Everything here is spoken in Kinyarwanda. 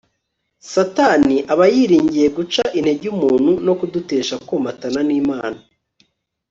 Satani aba yiringiye guca intege umuntu no kudutesha komatana nImana